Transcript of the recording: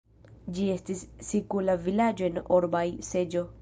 Ĝi estis sikula vilaĝo en Orbai-seĝo.